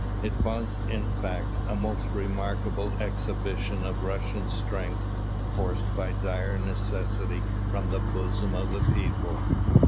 It was, in fact, a most remarkable exhibition of Russian strength, forced by dire necessity from the bosom of the people.